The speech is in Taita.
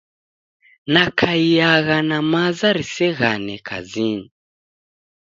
Nakaiagha na maza riseghane kazinyi.